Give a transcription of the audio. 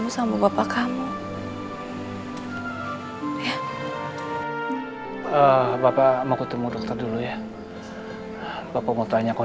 sampai jumpa di video selanjutnya